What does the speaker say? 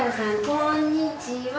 こんにちは。